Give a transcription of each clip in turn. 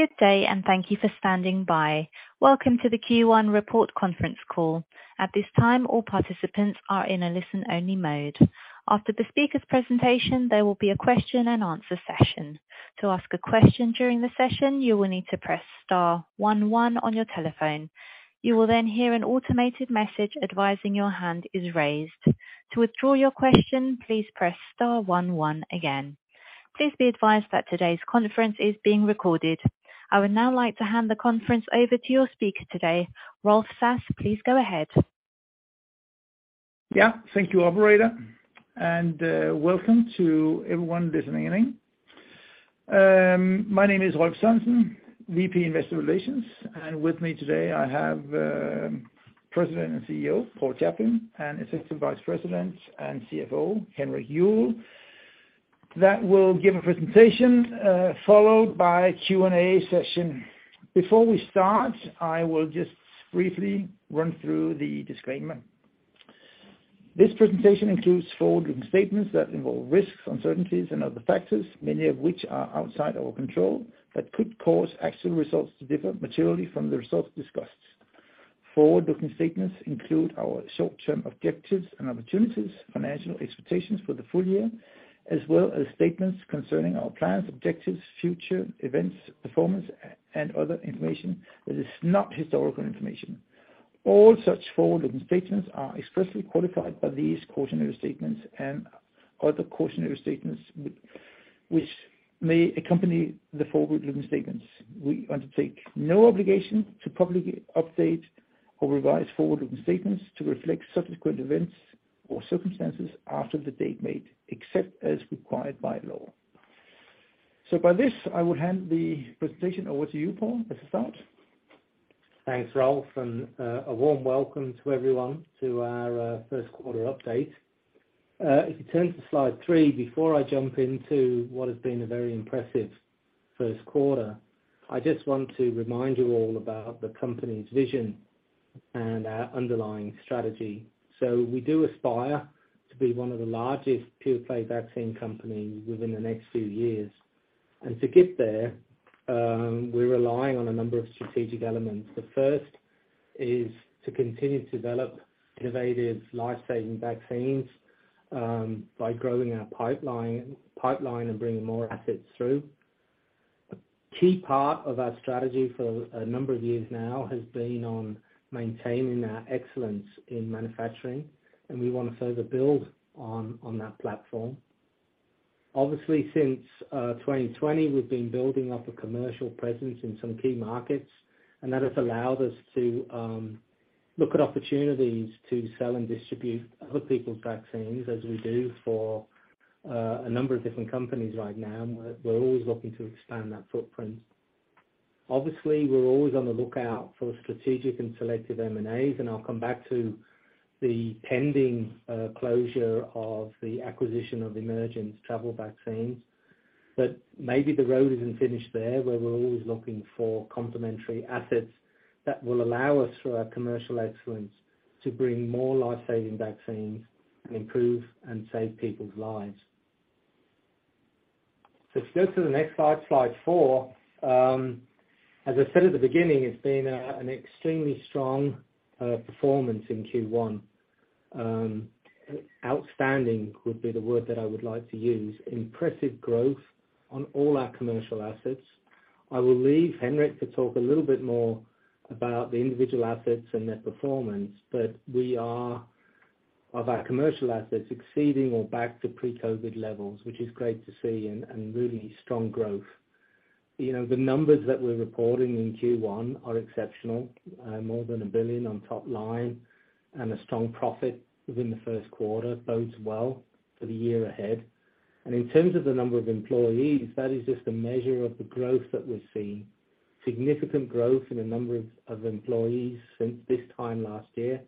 Good day, thank you for standing by. Welcome to the Q1 Report Conference Call. At this time, all participants are in a listen-only mode. After the speaker's presentation, there will be a question-and-answer session. To ask a question during the session, you will need to press star one one on your telephone. You will then hear an automated message advising your hand is raised. To withdraw your question, please press star one one again. Please be advised that today's conference is being recorded. I would now like to hand the conference over to your speaker today, Rolf Sass. Please go ahead. Yeah, thank you, operator, welcome to everyone listening in. My name is Rolf Sass, VP, Investor Relations, and with me today I have President and CEO, Paul Chaplin, and Assistant Vice President and CFO, Henrik Juuel. That will give a presentation, followed by a Q&A session. Before we start, I will just briefly run through the disclaimer. This presentation includes forward-looking statements that involve risks, uncertainties, and other factors, many of which are outside our control, that could cause actual results to differ materially from the results discussed. Forward-looking statements include our short-term objectives and opportunities, financial expectations for the full year, as well as statements concerning our plans, objectives, future events, performance, and other information that is not historical information. All such forward-looking statements are expressly qualified by these cautionary statements and other cautionary statements which may accompany the forward-looking statements. We undertake no obligation to publicly update or revise forward-looking statements to reflect subsequent events or circumstances after the date made, except as required by law. With this, I will hand the presentation over to you, Paul, let us start. Thanks, Rolf, a warm welcome to everyone to our first quarter update. If you turn to slide three, before I jump into what has been a very impressive first quarter, I just want to remind you all about the company's vision and our underlying strategy. We do aspire to be one of the largest pure-play vaccine companies within the next few years. To get there, we're relying on a number of strategic elements. The first is to continue to develop innovative life-saving vaccines by growing our pipeline and bringing more assets through. A key part of our strategy for a number of years now has been on maintaining our excellence in manufacturing, and we want to further build on that platform. Obviously, since 2020, we've been building up a commercial presence in some key markets. That has allowed us to look at opportunities to sell and distribute other people's vaccines as we do for a number of different companies right now. We're always looking to expand that footprint. Obviously, we're always on the lookout for strategic and selective M&A. I'll come back to the pending closure of the acquisition of Emergent Travel Vaccines. Maybe the road isn't finished there, where we're always looking for complementary assets that will allow us through our commercial excellence to bring more life-saving vaccines and improve and save people's lives. Let's go to the next slide four. As I said at the beginning, it's been an extremely strong performance in Q1. Outstanding would be the word that I would like to use. Impressive growth on all our commercial assets. I will leave Henrik to talk a little bit more about the individual assets and their performance. We are, of our commercial assets, exceeding or back to pre-COVID levels, which is great to see and really strong growth. You know, the numbers that we're reporting in Q1 are exceptional, more than 1 billion on top line, and a strong profit within the first quarter bodes well for the year ahead. In terms of the number of employees, that is just a measure of the growth that we're seeing. Significant growth in the number of employees since this time last year,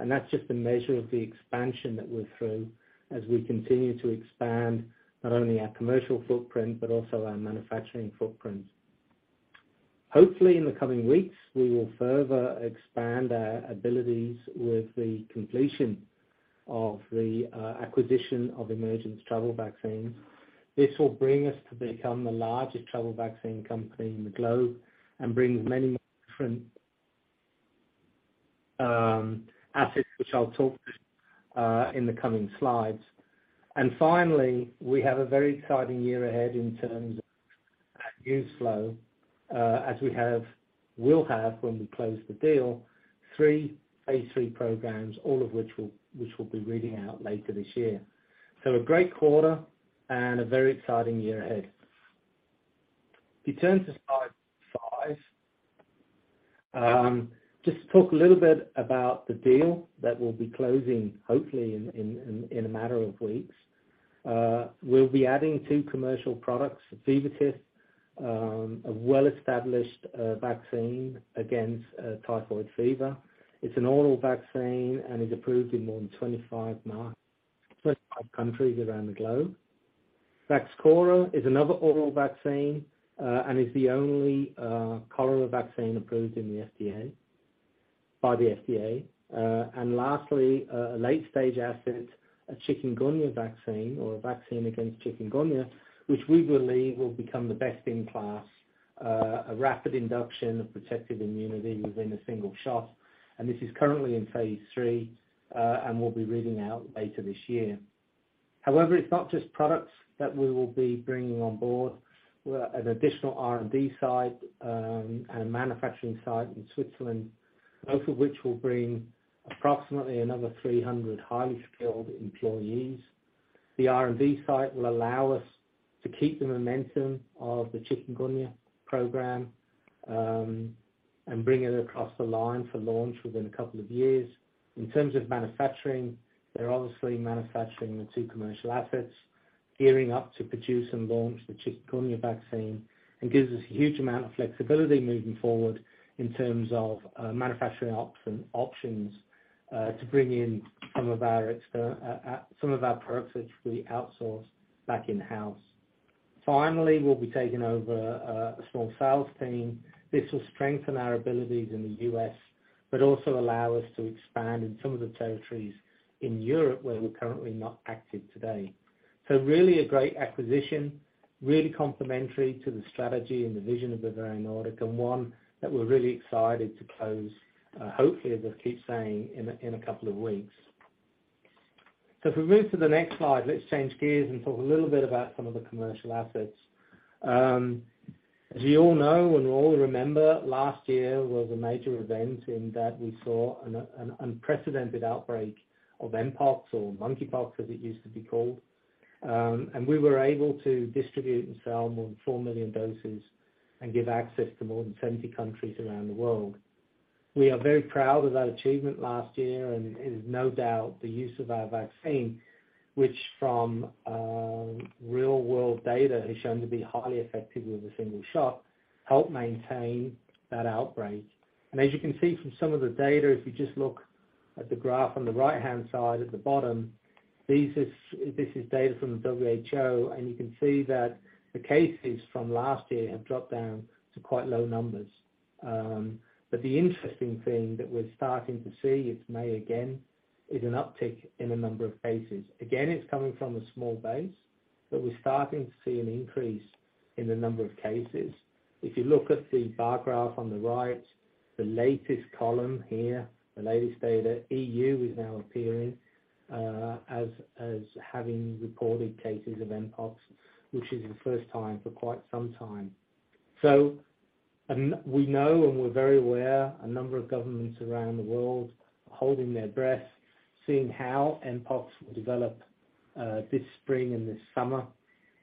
and that's just a measure of the expansion that we're through as we continue to expand not only our commercial footprint, but also our manufacturing footprint. Hopefully, in the coming weeks, we will further expand our abilities with the completion of the acquisition of Emergent Travel Vaccines. This will bring us to become the largest travel vaccine company in the globe and bring many different assets, which I'll talk to in the coming slides. Finally, we have a very exciting year ahead in terms of news flow, when we close the deal, three phase III programs, which we'll be reading out later this year. A great quarter and a very exciting year ahead. If you turn to slide five. Just to talk a little bit about the deal that we'll be closing hopefully in a matter of weeks, we'll be adding two commercial products, Vivotif, a well-established vaccine against typhoid fever. It's an oral vaccine and is approved in more than 25 countries around the globe. VAXCHORA is another oral vaccine and is the only cholera vaccine approved by the FDA. Lastly, a late-stage asset, a chikungunya vaccine, or a vaccine against chikungunya, which we believe will become the best in class. A rapid induction of protective immunity within a single shot, and this is currently in phase III and will be reading out later this year. However, it's not just products that we will be bringing on board. We'll have an additional R&D site and a manufacturing site in Switzerland, both of which will bring approximately another 300 highly skilled employees. The R&D site will allow us to keep the momentum of the chikungunya program and bring it across the line for launch within a couple of years. In terms of manufacturing, they're obviously manufacturing the two commercial assets, gearing up to produce and launch the chikungunya vaccine, and gives us a huge amount of flexibility moving forward in terms of manufacturing options to bring in some of our products which we outsource back in-house. Finally, we'll be taking over a small sales team. This will strengthen our abilities in the U.S., but also allow us to expand in some of the territories in Europe where we're currently not active today. Really a great acquisition, really complementary to the strategy and the vision of Bavarian Nordic, and one that we're really excited to close, hopefully, as I keep saying, in a couple of weeks. If we move to the next slide, let's change gears and talk a little bit about some of the commercial assets. As you all know, and you all remember, last year was a major event in that we saw an unprecedented outbreak of mpox or monkeypox, as it used to be called. We were able to distribute and sell more than 4 million doses and give access to more than 70 countries around the world. We are very proud of that achievement last year, and it is no doubt the use of our vaccine, which from real world data has shown to be highly effective with a single shot, helped maintain that outbreak. As you can see from some of the data, if you just look at the graph on the right-hand side at the bottom, this is data from the WHO, and you can see that the cases from last year have dropped down to quite low numbers. The interesting thing that we're starting to see, it's May again, is an uptick in the number of cases. Again, it's coming from a small base, but we're starting to see an increase in the number of cases. If you look at the bar graph on the right, the latest column here, the latest data, EU is now appearing, as having reported cases of mpox, which is the first time for quite some time. We know, and we're very aware, a number of governments around the world are holding their breath, seeing how mpox will develop, this spring and this summer.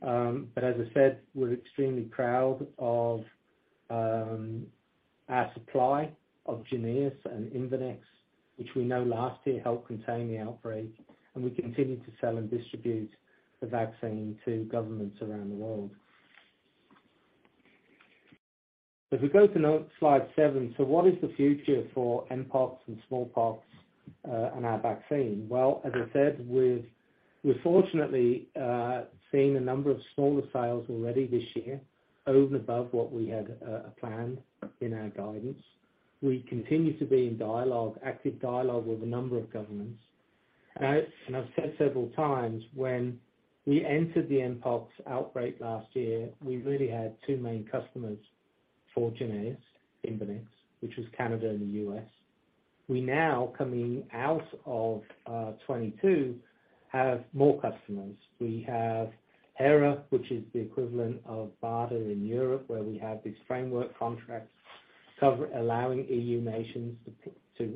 As I said, we're extremely proud of our supply of JYNNEOS and IMVANEX, which we know last year helped contain the outbreak, and we continue to sell and distribute the vaccine to governments around the world. If we go to slide seven, what is the future for mpox and smallpox, and our vaccine? Well, as I said, we've fortunately seen a number of smaller sales already this year over and above what we had planned in our guidance. We continue to be in dialogue, active dialogue with a number of governments. I've said several times, when we entered the mpox outbreak last year, we really had two main customers for JYNNEOS, IMVANEX, which was Canada and the U.S. We now, coming out of 2022, have more customers. We have HERA, which is the equivalent of BARDA in Europe, where we have these framework contracts cover allowing EU nations to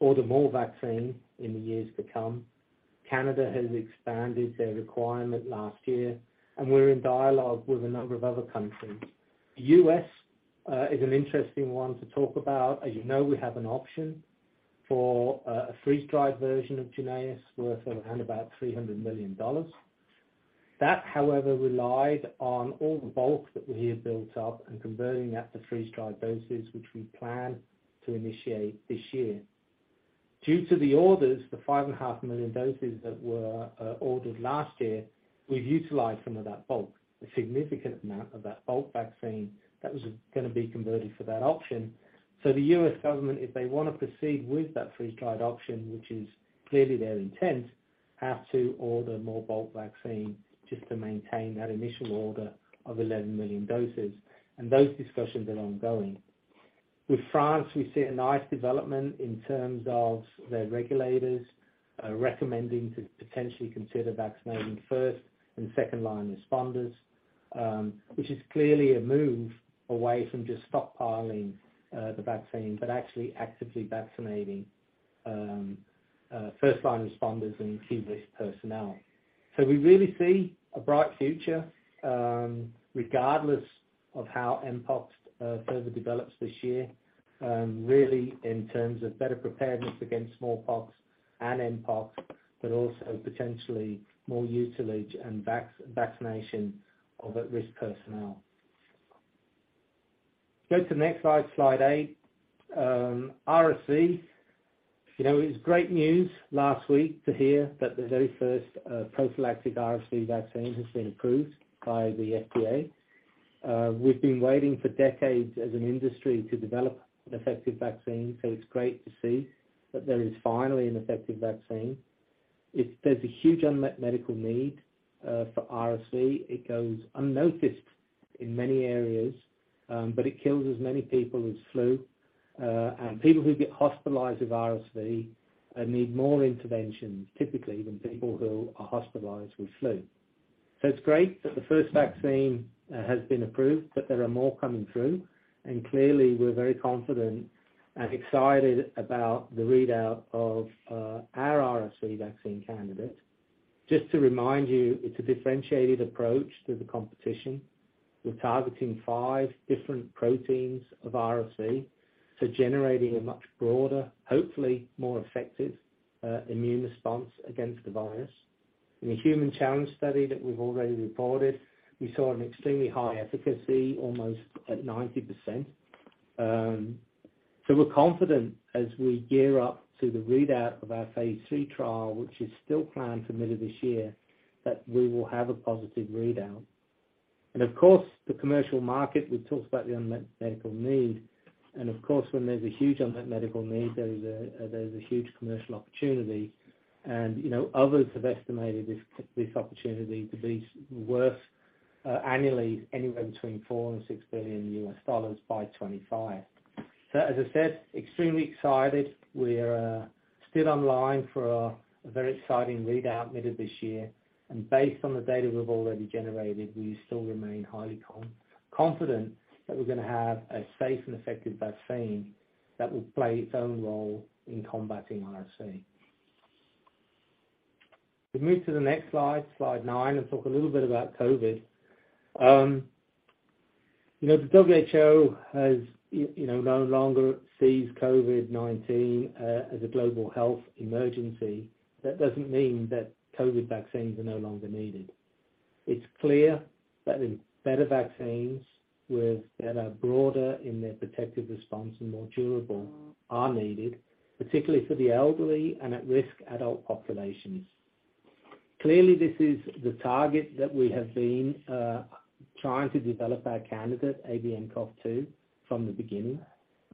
order more vaccine in the years to come. Canada has expanded their requirement last year, and we're in dialogue with a number of other countries. The U.S. is an interesting one to talk about. As you know, we have an option for a freeze-dried version of JYNNEOS worth around about $300 million. That, however, relied on all the bulk that we had built up and converting that to freeze-dried doses, which we plan to initiate this year. Due to the orders, the 5.5 million doses that were ordered last year, we've utilized some of that bulk, a significant amount of that bulk vaccine that was gonna be converted for that option. The U.S. government, if they wanna proceed with that freeze-dried option, which is clearly their intent, have to order more bulk vaccine just to maintain that initial order of 11 million doses. Those discussions are ongoing. With France, we see a nice development in terms of their regulators, recommending to potentially consider vaccinating first and second-line responders, which is clearly a move away from just stockpiling, the vaccine, but actually actively vaccinating, first-line responders and key risk personnel. We really see a bright future, regardless of how mpox further develops this year, really in terms of better preparedness against smallpox and mpox, but also potentially more usage and vaccination of at-risk personnel. Go to the next slide eight. You know, it was great news last week to hear that the very first, prophylactic RSV vaccine has been approved by the FDA. We've been waiting for decades as an industry to develop an effective vaccine, so it's great to see that there is finally an effective vaccine. There's a huge unmet medical need for RSV. It goes unnoticed in many areas, but it kills as many people as flu. People who get hospitalized with RSV need more interventions typically than people who are hospitalized with flu. It's great that the first vaccine has been approved, but there are more coming through. Clearly, we're very confident and excited about the readout of our RSV vaccine candidate. Just to remind you, it's a differentiated approach to the competition. We're targeting five different proteins of RSV, generating a much broader, hopefully more effective immune response against the virus. In the human challenge study that we've already reported, we saw an extremely high efficacy, almost at 90%. We're confident as we gear up to the readout of our phase III trial, which is still planned for middle of this year, that we will have a positive readout. Of course, the commercial market, we've talked about the unmet medical need, and of course, when there's a huge unmet medical need, there's a huge commercial opportunity. You know, others have estimated this opportunity to be worth annually anywhere between $4 billion and $6 billion by 2025. As I said, extremely excited. We're still online for a very exciting readout middle of this year. Based on the data we've already generated, we still remain highly confident that we're gonna have a safe and effective vaccine that will play its own role in combating RSV. If we move to the next slide nine, and talk a little bit about COVID. You know, the WHO has, you know, no longer sees COVID-19 as a global health emergency. That doesn't mean that COVID vaccines are no longer needed. It's clear that the better vaccines with, that are broader in their protective response and more durable are needed, particularly for the elderly and at-risk adult populations. Clearly, this is the target that we have been trying to develop our candidate, ABNCoV2, from the beginning.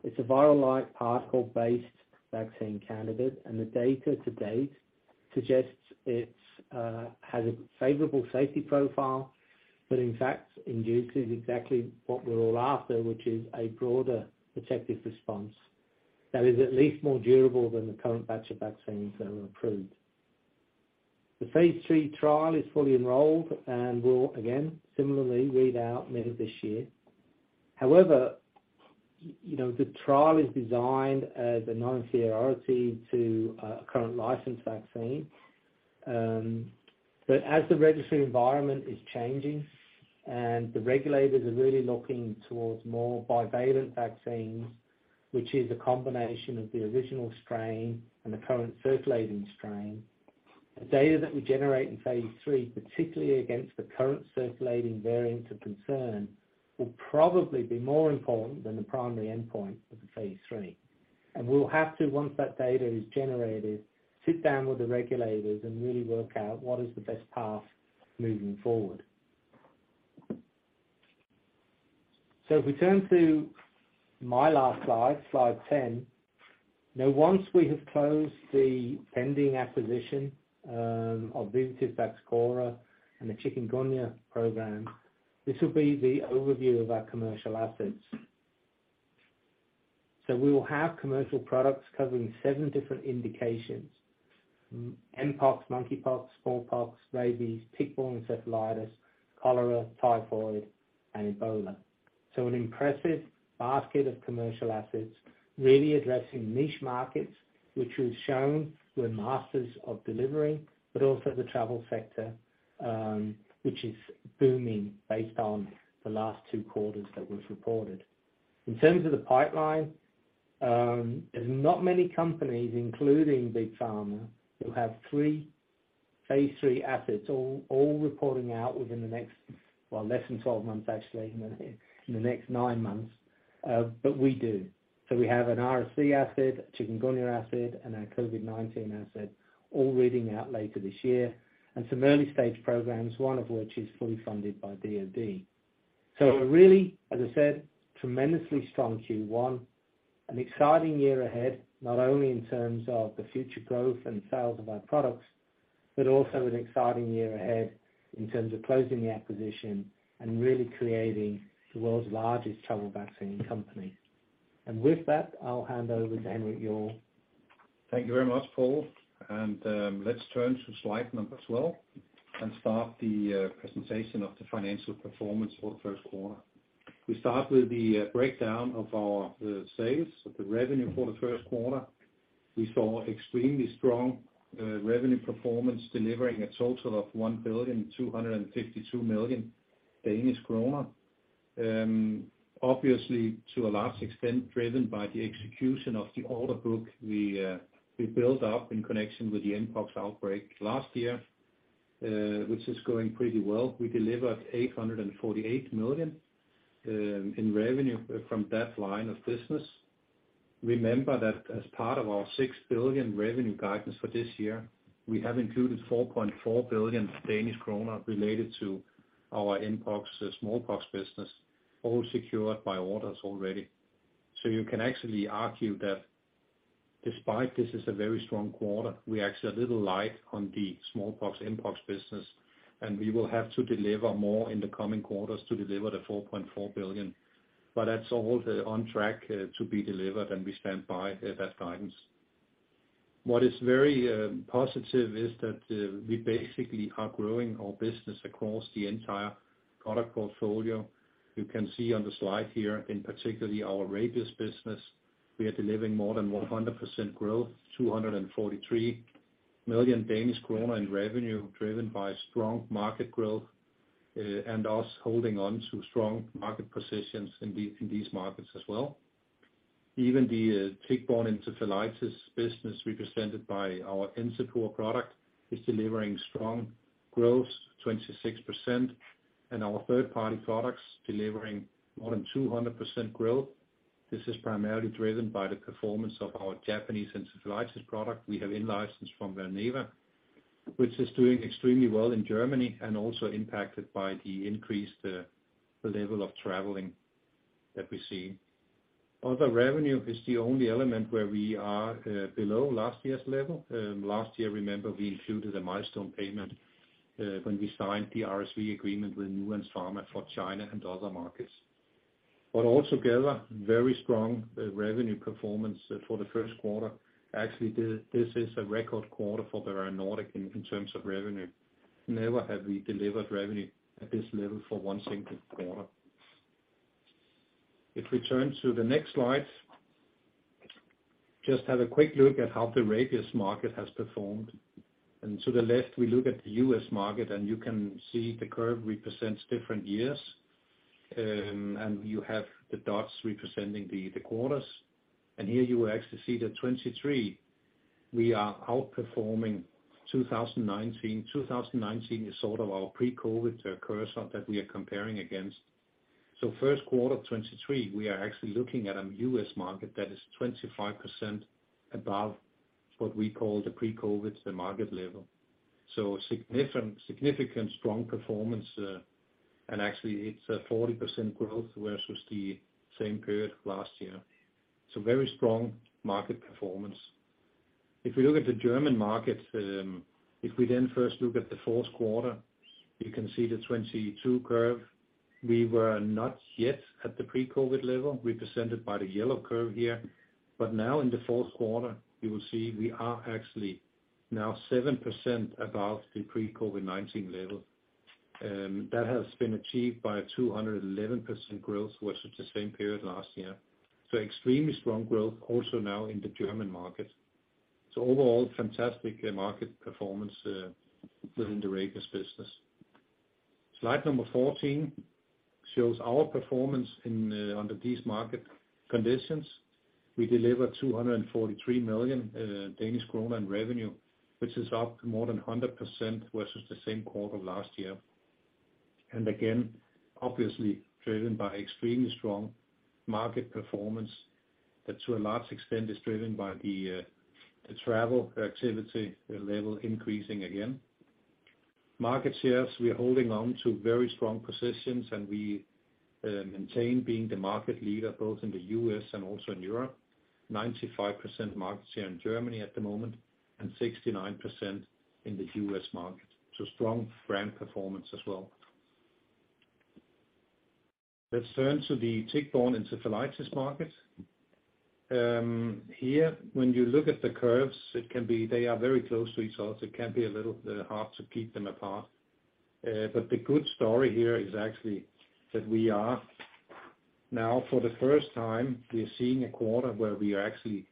It's a virus-like particle-based vaccine candidate, and the data to date suggests it's has a favorable safety profile, but in fact, induces exactly what we're all after, which is a broader protective response that is at least more durable than the current batch of vaccines that are approved. The phase III trial is fully enrolled and will again, similarly, read out middle of this year. However, you know, the trial is designed as a non-inferiority to a current licensed vaccine. As the registry environment is changing and the regulators are really looking towards more bivalent vaccines, which is a combination of the original strain and the current circulating strain, the data that we generate in phase III, particularly against the current circulating variants of concern, will probably be more important than the primary endpoint of the phase III. We'll have to, once that data is generated, sit down with the regulators and really work out what is the best path moving forward. If we turn to my last slide 10. Once we have closed the pending acquisition of VAXCHORA and the chikungunya program, this will be the overview of our commercial assets. We will have commercial products covering seven different indications. mpox, monkeypox, smallpox, rabies, tick-borne encephalitis, cholera, typhoid, and Ebola. An impressive basket of commercial assets really addressing niche markets, which we've shown we're masters of delivery, but also the travel sector, which is booming based on the last two quarters that we've reported. In terms of the pipeline, there's not many companies, including big pharma, who have three phase III assets all reporting out within the next, well, less than 12 months, actually, in the next nine months. We do. We have an RSV asset, a chikungunya asset, and a COVID-19 asset all reading out later this year. Some early-stage programs, one of which is fully funded by DOD. A really, as I said, tremendously strong Q1. An exciting year ahead, not only in terms of the future growth and sales of our products, but also an exciting year ahead in terms of closing the acquisition and really creating the world's largest travel vaccine company. With that, I'll hand over to Henrik. Thank you very much, Paul. Let's turn to slide number 12 and start the presentation of the financial performance for the first quarter. We start with the breakdown of our sales, of the revenue for the first quarter. We saw extremely strong revenue performance, delivering a total of 1,252 million Danish kroner. Obviously to a large extent driven by the execution of the order book we built up in connection with the mpox outbreak last year. Which is going pretty well. We delivered 848 million in revenue from that line of business. Remember that as part of our 6 billion revenue guidance for this year, we have included 4.4 billion Danish kroner related to our mpox smallpox business, all secured by orders already. You can actually argue that despite this is a very strong quarter, we're actually a little light on the smallpox/mpox business, and we will have to deliver more in the coming quarters to deliver the 4.4 billion. That's all on track to be delivered, and we stand by that guidance. Very positive is that we basically are growing our business across the entire product portfolio. You can see on the slide here, in particularly our rabies business, we are delivering more than 100% growth, 243 million Danish kroner in revenue, driven by strong market growth, and us holding on to strong market positions in these markets as well. Even the tick-borne encephalitis business represented by our Encepur product is delivering strong growth, 26%, and our third-party products delivering more than 200% growth. This is primarily driven by the performance of our Japanese encephalitis product we have in-licensed from Valneva, which is doing extremely well in Germany and also impacted by the increased level of traveling that we're seeing. Other revenue is the only element where we are below last year's level. Last year, remember, we included a milestone payment when we signed the RSV agreement with Nuance Pharma for China and other markets. All together, very strong revenue performance for the first quarter. Actually, this is a record quarter for Bavarian Nordic in terms of revenue. Never have we delivered revenue at this level for one single quarter. If we turn to the next slide, just have a quick look at how the rabies market has performed. To the left, we look at the U.S. market, and you can see the curve represents different years. You have the dots representing the quarters. Here you will actually see that 2023 we are outperforming 2019. 2019 is sort of our pre-COVID-19 cursor that we are comparing against. First quarter 2023, we are actually looking at a U.S. market that is 25% above what we call the pre-COVID-19, the market level. Significant strong performance, and actually it's a 40% growth versus the same period last year. Very strong market performance. If we look at the German market, if we then first look at the fourth quarter, you can see the 2022 curve. We were not yet at the pre-COVID-19 level represented by the yellow curve here. Now in the fourth quarter, you will see we are actually now 7% above the pre-COVID-19 level. That has been achieved by 211% growth versus the same period last year. Extremely strong growth also now in the German market. Overall, fantastic market performance within the rabies business. Slide number 14 shows our performance in under these market conditions. We delivered 243 million Danish kroner in revenue, which is up more than 100% versus the same quarter last year. Again, obviously driven by extremely strong market performance that to a large extent is driven by the travel activity level increasing again. Market shares, we are holding on to very strong positions. We maintain being the market leader both in the U.S. and also in Europe. 95% market share in Germany at the moment, 69% in the U.S. market. Strong brand performance as well. Let's turn to the tick-borne encephalitis market. Here, when you look at the curves, they are very close to each other, it can be a little hard to keep them apart. The good story here is actually that we are now, for the first time, we are seeing a quarter where we are actually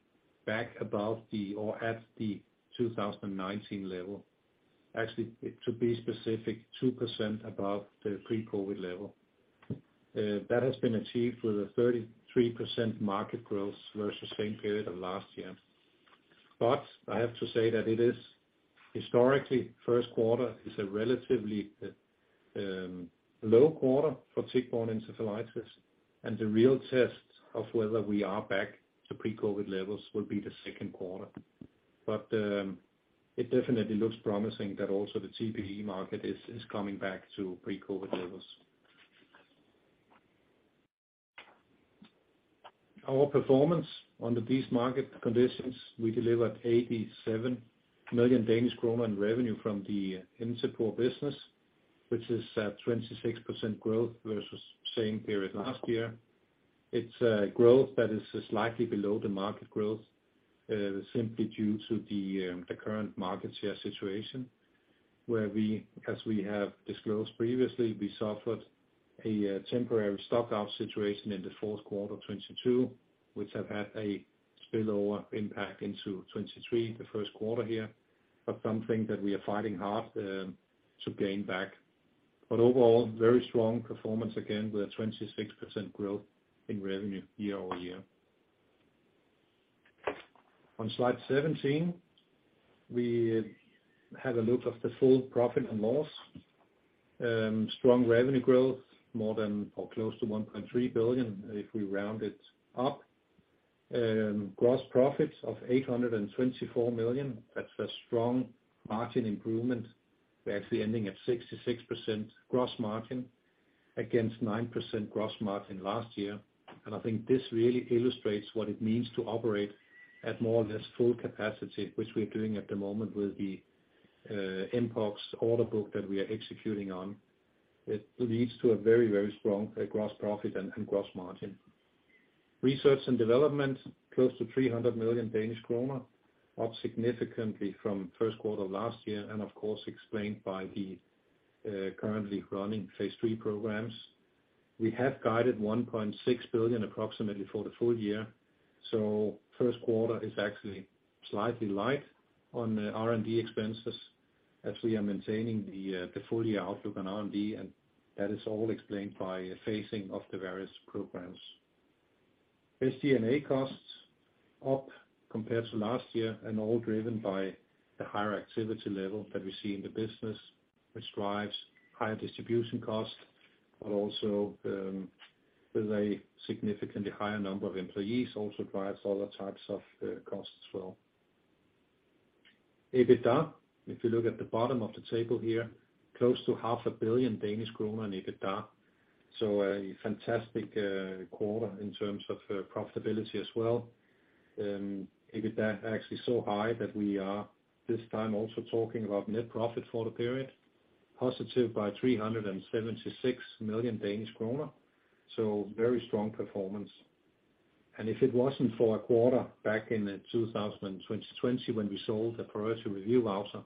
back above the or at the 2019 level. Actually, to be specific, 2% above the pre-COVID level. That has been achieved with a 33% market growth versus same period of last year. I have to say that it is historically, first quarter is a relatively low quarter for tick-borne encephalitis. The real test of whether we are back to pre-COVID levels will be the second quarter. It definitely looks promising that also the TBE market is coming back to pre-COVID levels. Our performance under these market conditions, we delivered 87 million Danish kroner in revenue from the Encepur business, which is 26% growth versus same period last year. It's growth that is slightly below the market growth, simply due to the current market share situation, where we, as we have disclosed previously, we suffered a temporary stock out situation in the fourth quarter 2022, which have had a spillover impact into 2023, the first quarter here. Something that we are fighting hard to gain back. Overall, very strong performance again, with a 26% growth in revenue year-over-year. On slide 17, we have a look of the full profit and loss. Strong revenue growth, more than or close to 1.3 billion if we round it up. Gross profits of 824 million. That's a strong margin improvement. We're actually ending at 66% gross margin against 9% gross margin last year. I think this really illustrates what it means to operate at more or less full capacity, which we're doing at the moment with the mpox order book that we are executing on. It leads to a very, very strong gross profit and gross margin. Research and development, close to 300 million Danish kroner, up significantly from first quarter last year, of course explained by the currently running phase III programs. We have guided 1.6 billion approximately for the full year. First quarter is actually slightly light on the R&D expenses. Actually, I'm maintaining the full year outlook on R&D, that is all explained by phasing of the various programs. SG&A costs up compared to last year all driven by the higher activity level that we see in the business, which drives higher distribution costs, also with a significantly higher number of employees, also drives other types of costs as well. EBITDA, if you look at the bottom of the table here, close to half a billion Danish kroner in EBITDA. A fantastic quarter in terms of profitability as well. EBITDA actually so high that we are this time also talking about net profit for the period, positive by 376 million Danish kroner, very strong performance. If it wasn't for a quarter back in 2020 when we sold the priority review voucher,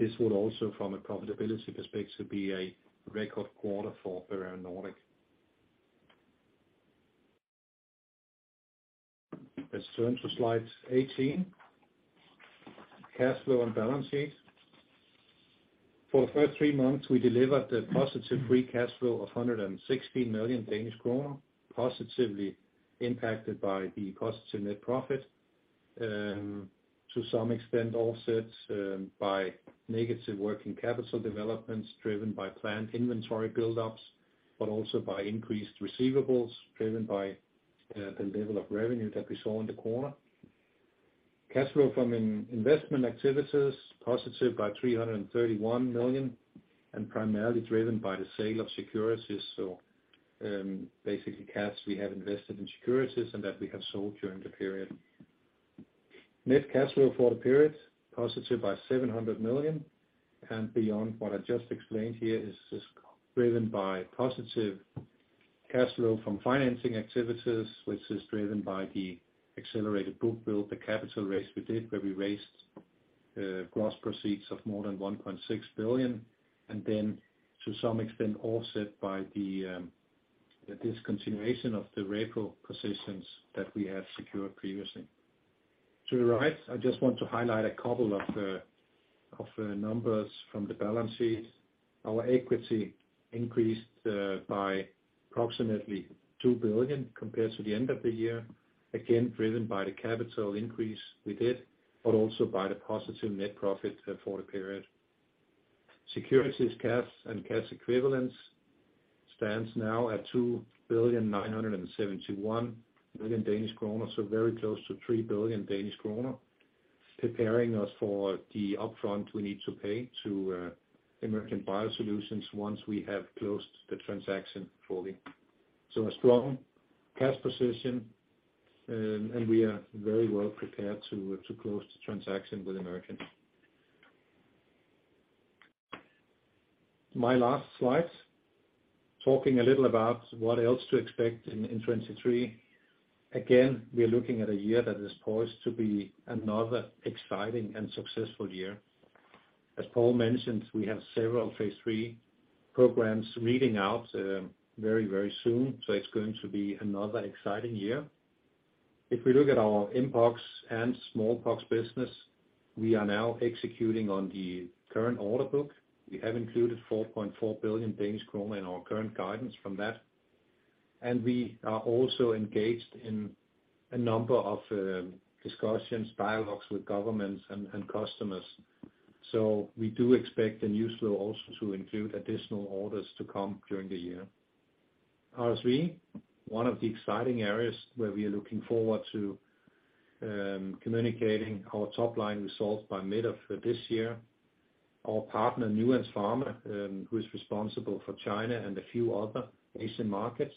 this would also from a profitability perspective be a record quarter for Bavarian Nordic. Let's turn to slide 18. Cash flow and balance sheet. For the first three months, we delivered a positive free cash flow of 116 million Danish kroner, positively impacted by the positive net profit, to some extent offset by negative working capital developments driven by planned inventory build-ups, but also by increased receivables driven by the level of revenue that we saw in the quarter. Cash flow from in-investment activities positive by 331 million and primarily driven by the sale of securities. Basically cash we have invested in securities and that we have sold during the period. Net cash flow for the period positive by 700 million, beyond what I just explained here is just driven by positive cash flow from financing activities, which is driven by the accelerated book build, the capital raise we did, where we raised gross proceeds of more than 1.6 billion, and then to some extent offset by the discontinuation of the repo positions that we had secured previously. To the right, I just want to highlight a couple of the numbers from the balance sheet. Our equity increased by approximately 2 billion compared to the end of the year, again, driven by the capital increase we did, but also by the positive net profit for the period. Securities, cash, and cash equivalents stands now at 2.971 billion Danish kroner, so very close to 3 billion Danish kroner, preparing us for the upfront we need to pay to Emergent BioSolutions once we have closed the transaction fully. A strong cash position, and we are very well prepared to close the transaction with Emergent BioSolutions. My last slide, talking a little about what else to expect in 2023. We are looking at a year that is poised to be another exciting and successful year. As Paul mentioned, we have several phase III programs reading out, very, very soon, so it's going to be another exciting year. If we look at our mpox and smallpox business, we are now executing on the current order book. We have included 4.4 billion Danish kroner in our current guidance from that. We are also engaged in a number of discussions, dialogues with governments and customers. We do expect the new flow also to include additional orders to come during the year. RSV, one of the exciting areas where we are looking forward to communicating our top-line results by mid of this year. Our partner, Nuance Pharma, who is responsible for China and a few other Asian markets,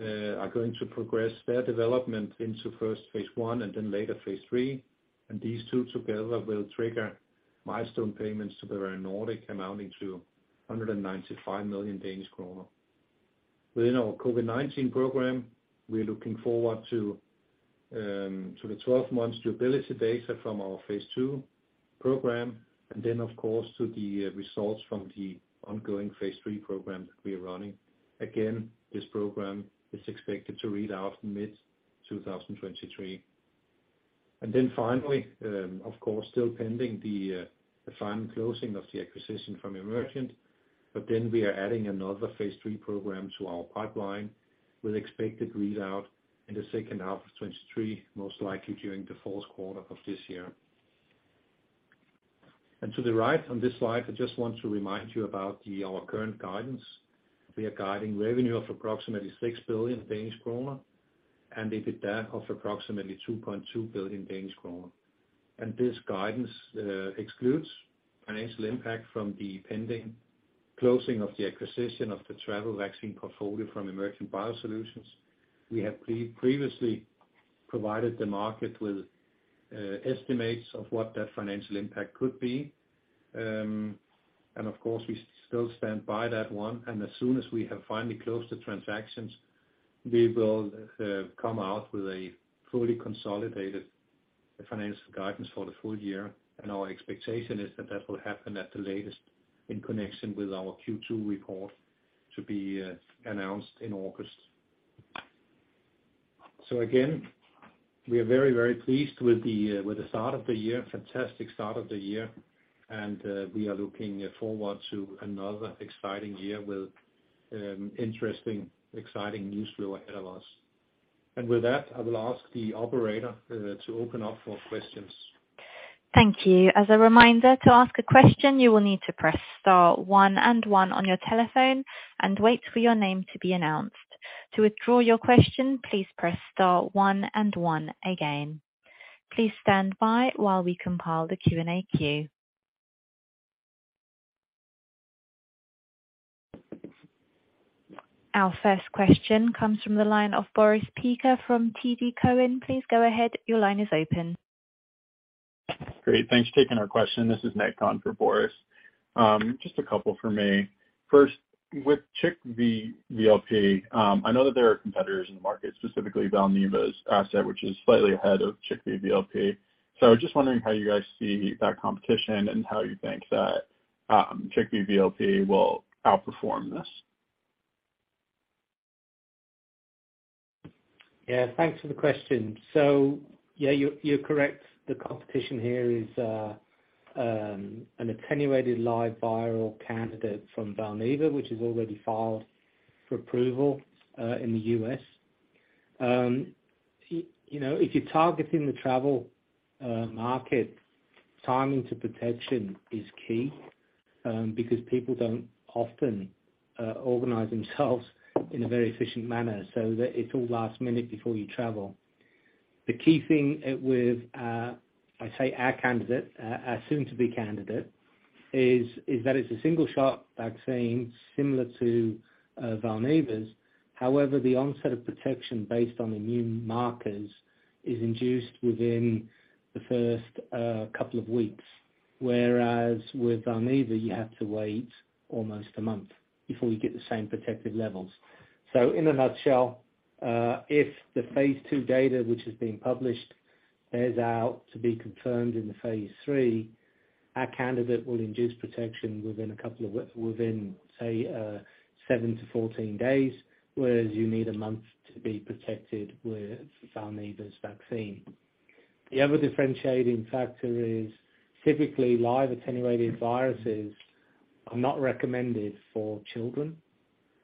are going to progress their development into first phase I and then later phase III. These two together will trigger milestone payments to Bavarian Nordic amounting to 195 million Danish kroner. Within our COVID-19 program, we're looking forward to the 12 months durability data from our phase II program and then, of course, to the results from the ongoing phase III program that we are running. Again, this program is expected to read out mid 2023. Finally, of course, still pending the final closing of the acquisition from Emergent. We are adding another phase III program to our pipeline with expected readout in the second half of 2023, most likely during the fourth quarter of this year. To the right on this slide, I just want to remind you about our current guidance. We are guiding revenue of approximately 6 billion Danish kroner, and EBITDA of approximately 2.2 billion Danish kroner. This guidance excludes financial impact from the pending closing of the acquisition of the travel vaccine portfolio from Emergent BioSolutions. We have previously provided the market with estimates of what that financial impact could be. Of course we still stand by that one, and as soon as we have finally closed the transactions, we will come out with a fully consolidated financial guidance for the full year. Our expectation is that that will happen at the latest in connection with our Q2 report to be announced in August. Again, we are very, very pleased with the start of the year, fantastic start of the year, and we are looking forward to another exciting year with interesting, exciting news flow ahead of us. With that, I will ask the operator to open up for questions. Thank you. As a reminder, to ask a question, you will need to press star one and one on your telephone and wait for your name to be announced. To withdraw your question, please press star one and one again. Please stand by while we compile the Q&A queue. Our first question comes from the line of Boris Peaker from TD Cowen. Please go ahead. Your line is open. Great. Thanks for taking our question. This is Nick Kahn for Boris. Just a couple from me. First, with CHIKV VLP, I know that there are competitors in the market, specifically Valneva's asset, which is slightly ahead of CHIKV VLP. I was just wondering how you guys see that competition and how you think that CHIKV VLP will outperform this. Thanks for the question. You're correct. The competition here is an attenuated live viral candidate from Valneva, which is already filed for approval in the U.S. You know, if you're targeting the travel market, timing to protection is key because people don't often organize themselves in a very efficient manner, so that it's all last minute before you travel. The key thing with I'd say our candidate, our soon to be candidate is that it's a single shot vaccine similar to Valneva's. However, the onset of protection based on immune markers is induced within the first couple of weeks, whereas with Valneva, you have to wait almost a month before you get the same protective levels. In a nutshell, if the phase II data, which is being published, bears out to be confirmed in the phase III, our candidate will induce protection within, say, seven to 14 days, whereas you need a month to be protected with Valneva's vaccine. The other differentiating factor is typically live-attenuated viruses are not recommended for children,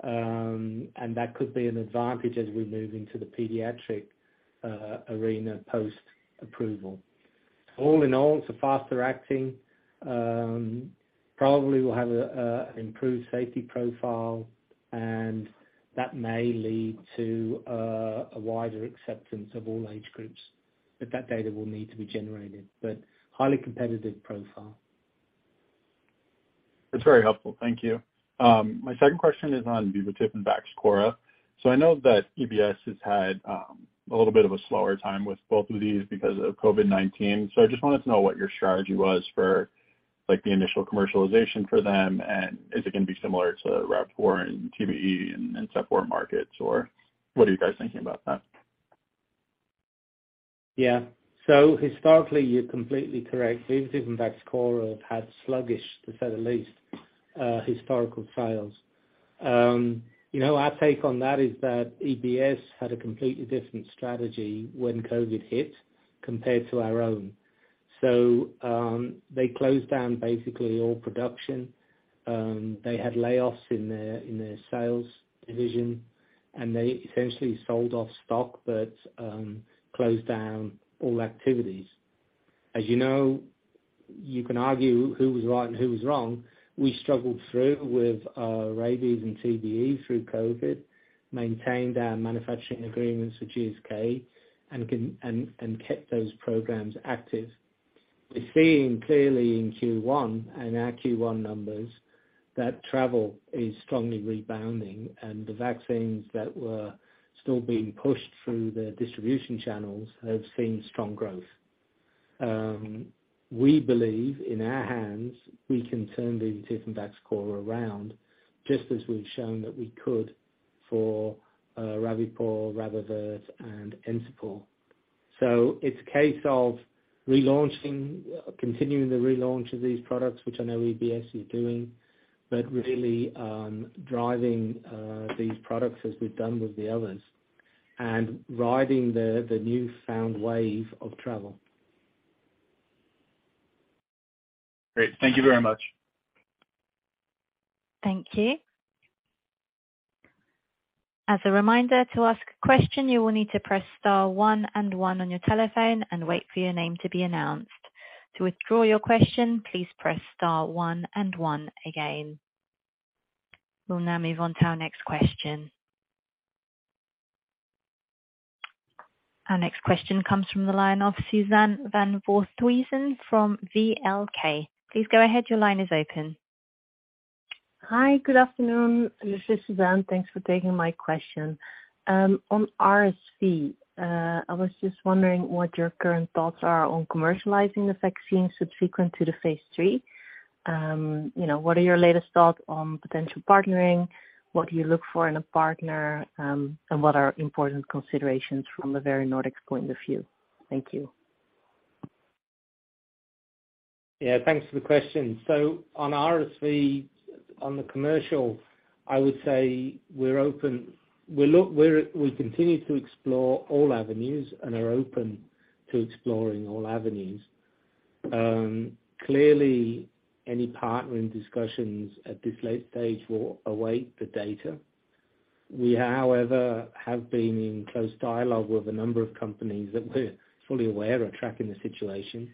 and that could be an advantage as we move into the pediatric arena post-approval. All in all, it's faster acting, probably will have an improved safety profile, and that may lead to a wider acceptance of all age groups. That data will need to be generated, but highly competitive profile. That's very helpful. Thank you. My second question is on Vivotif and VAXCHORA. I know that EBS has had a little bit of a slower time with both of these because of COVID-19. I just wanted to know what your strategy was for like the initial commercialization for them, and is it gonna be similar to Rabipur and TBE and Encepur markets, or what are you guys thinking about that? Yeah. Historically, you're completely correct. Vivotif and VAXCHORA have had sluggish, to say the least, historical trials. You know, our take on that is that EBS had a completely different strategy when COVID hit compared to our own. They closed down basically all production, they had layoffs in their sales division, and they essentially sold off stock but closed down all activities. As you know, you can argue who was right and who was wrong. We struggled through with rabies and TBE through COVID, maintained our manufacturing agreements with GSK and kept those programs active. We're seeing clearly in Q1 and our Q1 numbers that travel is strongly rebounding and the vaccines that were still being pushed through the distribution channels have seen strong growth. We believe in our hands we can turn Vivotif and VAXCHORA around just as we've shown that we could for Rabipur, RabAvert, and Encepur. It's a case of continuing the relaunch of these products, which I know EBS is doing, but really, driving these products as we've done with the others and riding the newfound wave of travel. Great. Thank you very much. Thank you. As a reminder to ask a question, you will need to press star one and one on your telephone and wait for your name to be announced. To withdraw your question, please press star one and one again. We'll now move on to our next question. Our next question comes from the line of Suzanne van Voorthuizen from VLK. Please go ahead. Your line is open. Hi. Good afternoon. This is Suzanne. Thanks for taking my question. On RSV, I was just wondering what your current thoughts are on commercializing the vaccine subsequent to the phase III. You know, what are your latest thoughts on potential partnering? What do you look for in a partner? What are important considerations from the Bavarian Nordic point of view? Thank you. Thanks for the question. On RSV, on the commercial, I would say we're open. We continue to explore all avenues and are open to exploring all avenues. Clearly any partnering discussions at this late stage will await the data. We, however, have been in close dialogue with a number of companies that we're fully aware are tracking the situation.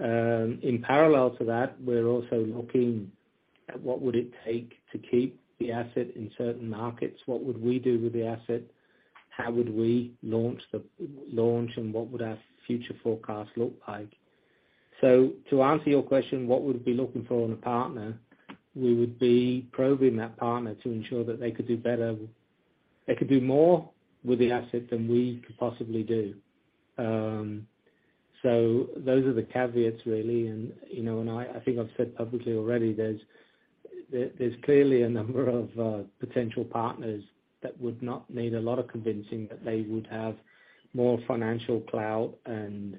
In parallel to that, we're also looking at what would it take to keep the asset in certain markets. What would we do with the asset? How would we launch and what would our future forecast look like? To answer your question, what would we be looking for in a partner, we would be probing that partner to ensure that they could do better, they could do more with the asset than we could possibly do. Those are the caveats really. You know, I think I've said publicly already there's clearly a number of potential partners that would not need a lot of convincing, that they would have more financial clout and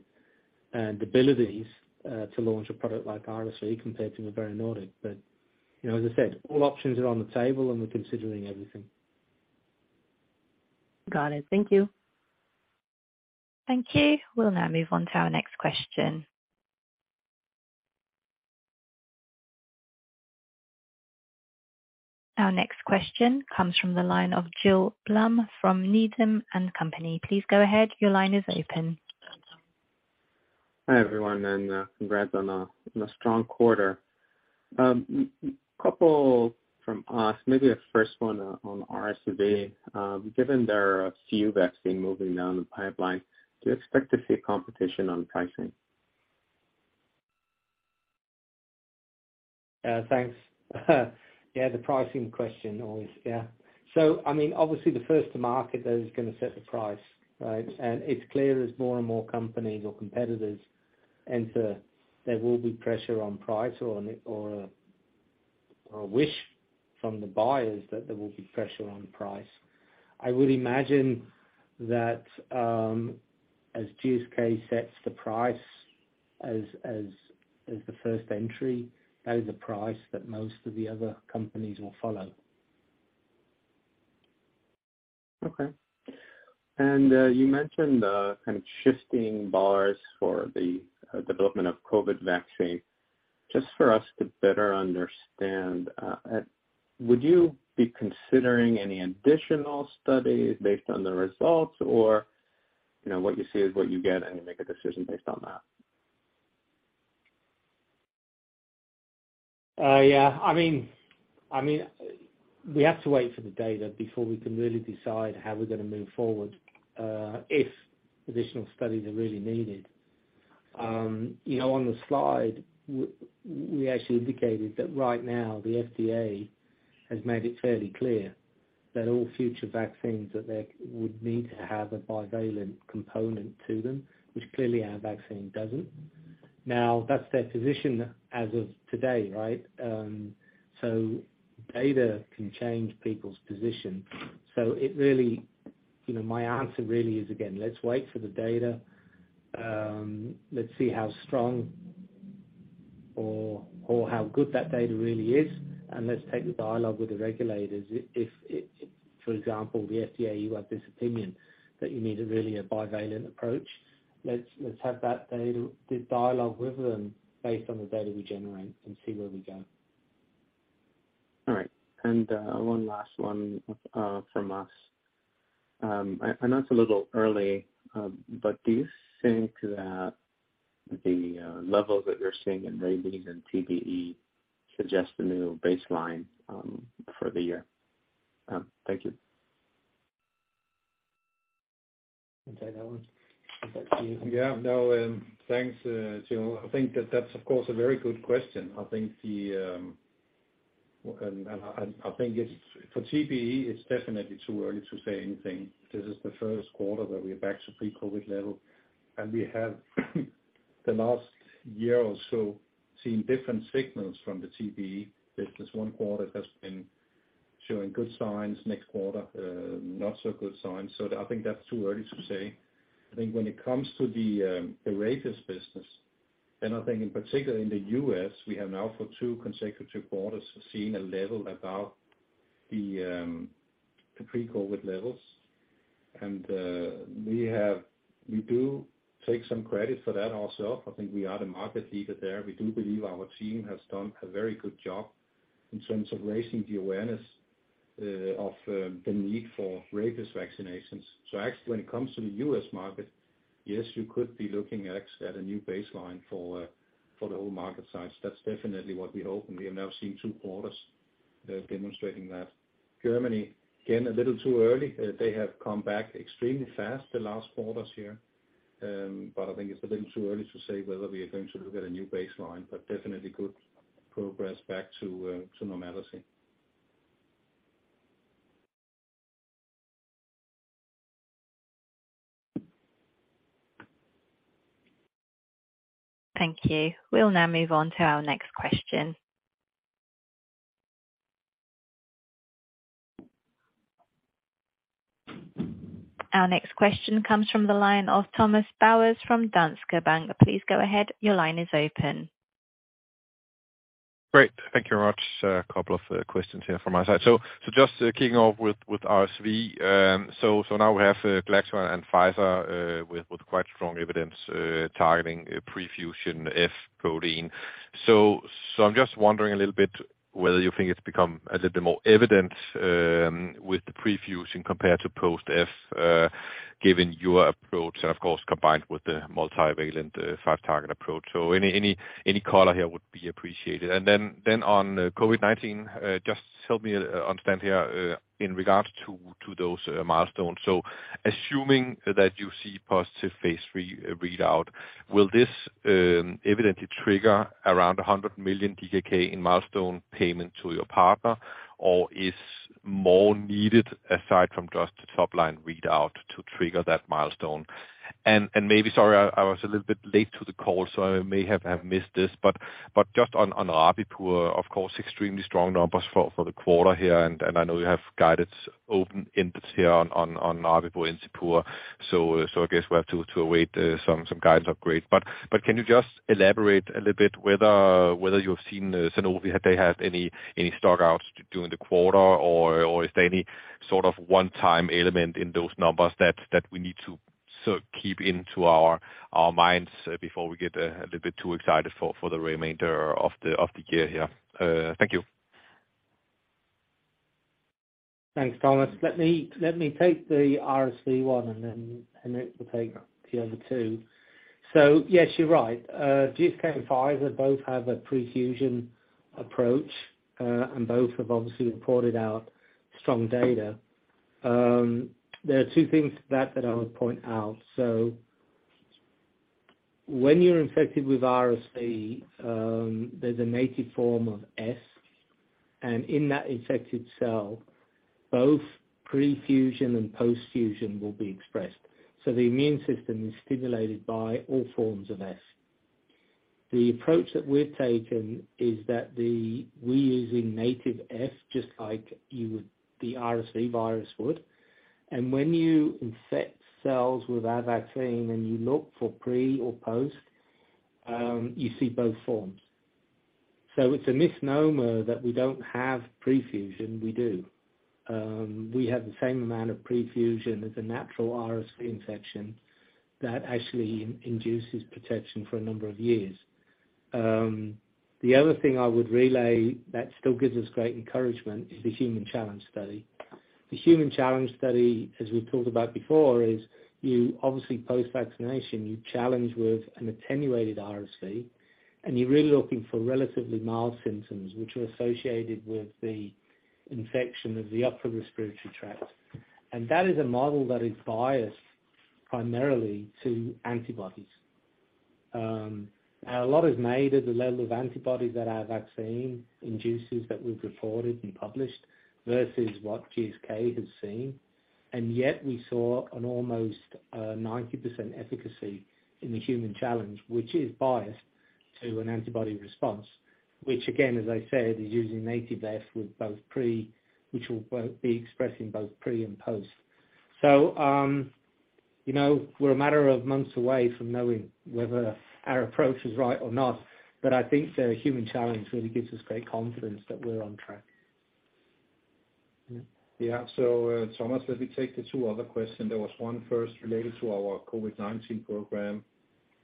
abilities to launch a product like RSV compared to Bavarian Nordic. You know, as I said, all options are on the table, and we're considering everything. Got it. Thank you. Thank you. We'll now move on to our next question. Our next question comes from the line of Gil Blum from Needham & Company. Please go ahead. Your line is open. Hi, everyone, and congrats on a strong quarter. Couple from us, maybe a first one on RSV. Given there are a few vaccine moving down the pipeline, do you expect to see competition on pricing? Thanks. Yeah, the pricing question always. Yeah. I mean, obviously the first to market that is gonna set the price, right? It's clear as more and more companies or competitors enter, there will be pressure on price or a wish from the buyers that there will be pressure on price. I would imagine that, as GSK sets the price as the first entry, that is a price that most of the other companies will follow. Okay. You mentioned, kind of shifting bars for the, development of COVID vaccine. Just for us to better understand, would you be considering any additional studies based on the results, or, you know, what you see is what you get, and you make a decision based on that? Yeah. I mean, we have to wait for the data before we can really decide how we're gonna move forward, if additional studies are really needed. You know, on the slide, we actually indicated that right now the FDA has made it fairly clear that all future vaccines that they would need to have a bivalent component to them, which clearly our vaccine doesn't. Now, that's their position as of today, right? Data can change people's position. It really, you know, my answer really is, again, let's wait for the data. Let's see how strong or how good that data really is, and let's take the dialogue with the regulators. If it, for example, the FDA have this opinion that you need a really a bivalent approach, let's have that data, the dialogue with them based on the data we generate and see where we go. All right. One last one, from us. I know it's a little early, but do you think that the level that you're seeing in rabies and TBE suggests a new baseline for the year? Thank you. Can I take that one? Yeah. No, thanks, Gil. I think that that's of course a very good question. I think the, and I think it's, for TBE, it's definitely too early to say anything. This is the first quarter that we're back to pre-COVID level. We have the last year or so seen different signals from the TBE business. One quarter has been showing good signs, next quarter, not so good signs. I think that's too early to say. I think when it comes to the rabies business, and I think in particular in the U.S., we have now for two consecutive quarters have seen a level above the pre-COVID levels. We do take some credit for that ourself. I think we are the market leader there. We do believe our team has done a very good job in terms of raising the awareness of the need for rabies vaccinations. Actually when it comes to the U.S. market, yes, you could be looking at a new baseline for the whole market size. That's definitely what we hope. We have now seen two quarters demonstrating that. Germany, again, a little too early. They have come back extremely fast the last quarters here. But I think it's a little too early to say whether we are going to look at a new baseline, but definitely good progress back to normality. Thank you. We'll now move on to our next question. Our next question comes from the line of Thomas Bowers from Danske Bank. Please go ahead. Your line is open. Great. Thank you very much. A couple of questions here from my side. Just kicking off with RSV. Now we have GSK and Pfizer, with quite strong evidence, targeting a pre-fusion F protein. I'm just wondering a little bit whether you think it's become a little bit more evident, with the pre-fusion compared to post F, given your approach and of course combined with the multivalent, five target approach. Any color here would be appreciated. Then on COVID-19, just help me understand here in regards to those milestones. Assuming that you see positive phase III readout, will this evidently trigger around 100 million DKK in milestone payment to your partner? Is more needed aside from just the top line readout to trigger that milestone? Maybe, sorry, I was a little bit late to the call, so I may have missed this, but just on Rabipur, of course, extremely strong numbers for the quarter here, and I know you have guided open ends here on Rabipur and Encepur. I guess we'll have to await some guidance upgrades. Can you just elaborate a little bit whether you've seen Sanofi, have they had any stock-outs during the quarter? Is there any sort of one-time element in those numbers that we need to sort of keep into our minds before we get a little bit too excited for the remainder of the year here? Thank you. Thanks, Thomas. Let me take the RSV one and then we'll take the other two. Yes, you're right. GSK and Pfizer both have a pre-fusion approach, and both have obviously reported out strong data. There are two things that I would point out. When you're infected with RSV, there's a native form of S. In that infected cell, both pre-fusion and post-fusion will be expressed. The immune system is stimulated by all forms of S. The approach that we've taken is that we're using native F just like the RSV virus would. When you infect cells with our vaccine and you look for pre or post, you see both forms. It's a misnomer that we don't have pre-fusion. We do. We have the same amount of pre-fusion as a natural RSV infection that actually induces protection for a number of years. The other thing I would relay that still gives us great encouragement is the human challenge study. The human challenge study, as we've talked about before, is you obviously post-vaccination, you challenge with an attenuated RSV, and you're really looking for relatively mild symptoms which are associated with the infection of the upper respiratory tract. That is a model that is biased primarily to antibodies. A lot is made at the level of antibodies that our vaccine induces, that we've reported and published, versus what GSK has seen. We saw an almost 90% efficacy in the human challenge, which is biased to an antibody response, which again, as I said, is using native F which will be expressed in both pre and post. You know, we're a matter of months away from knowing whether our approach is right or not, but I think the human challenge really gives us great confidence that we're on track. Thomas, let me take the two other questions. There was one first related to our COVID-19 program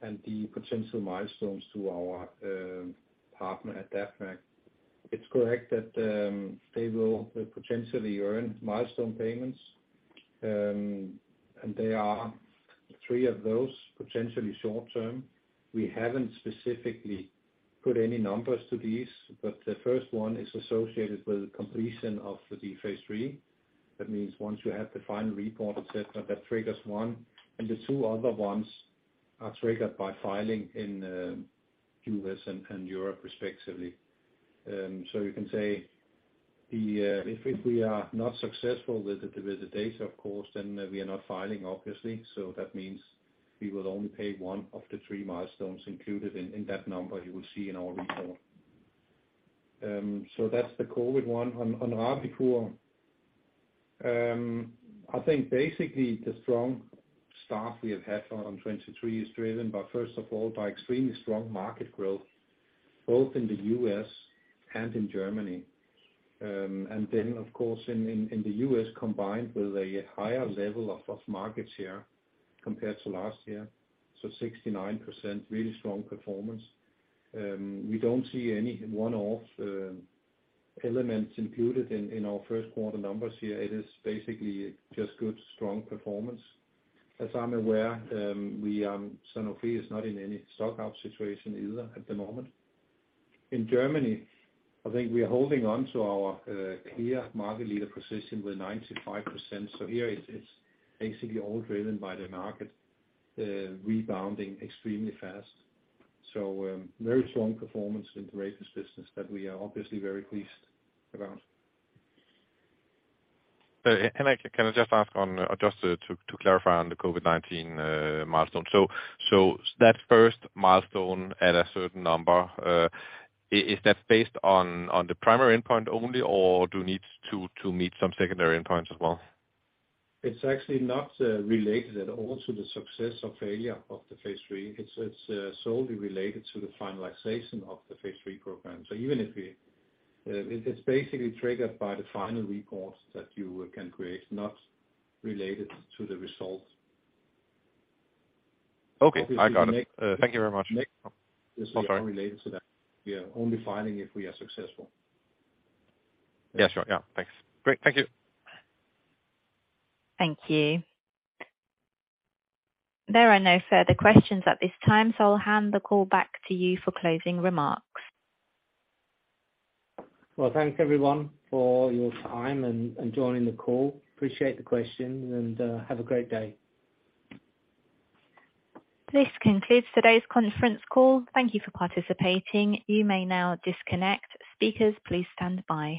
and the potential milestones to our partner at AdaptVac. It's correct that they will potentially earn milestone payments, and there are three of those potentially short term. We haven't specifically put any numbers to these, but the first one is associated with the completion of the phase III. That means once you have the final report, et cetera, that triggers one, and the two other ones are triggered by filing in U.S. and Europe respectively. You can say if we are not successful with the data, of course, then we are not filing, obviously. That means we will only pay one of the three milestones included in that number you will see in our report. That's the COVID one. On Rabipur, I think basically the strong start we have had on 23 is driven by, first of all, by extremely strong market growth, both in the U.S. and in Germany. Then of course in the U.S., combined with a higher level of market share compared to last year, 69%, really strong performance. We don't see any one-off elements included in our first quarter numbers here. It is basically just good, strong performance. As I'm aware, Sanofi is not in any stock out situation either at the moment. In Germany, I think we are holding on to our clear market leader position with 95%. Here it's basically all driven by the market rebounding extremely fast. Very strong performance in the rabies business that we are obviously very pleased about. Can I just ask on, just to clarify on the COVID-19 milestone. That first milestone at a certain number, is that based on the primary endpoint only, or do you need to meet some secondary endpoints as well? It's actually not related at all to the success or failure of the phase III. It's solely related to the finalization of the phase III program. It's basically triggered by the final reports that you can create, not related to the results. Okay. I got it. Obviously Thank you very much. Make- Oh, sorry. This is unrelated to that. We are only filing if we are successful. Yeah, sure. Yeah. Thanks. Great. Thank you. Thank you. There are no further questions at this time. I'll hand the call back to you for closing remarks. Well, thanks everyone for your time and joining the call. Appreciate the questions and have a great day. This concludes today's conference call. Thank you for participating. You may now disconnect. Speakers, please stand by.